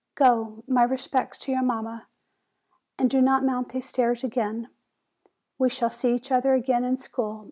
Go! My respects to your mamma. And do not mount these stairs again. We shall see each other again in school.